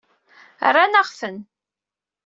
Rran-aɣ-ten.